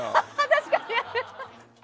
確かに！